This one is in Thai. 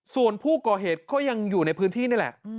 ส่วนผู้ก่อเหตุก็ยังอยู่ในพื้นที่นี่แหละ